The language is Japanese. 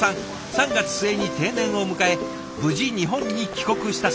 ３月末に定年を迎え無事日本に帰国したそうです。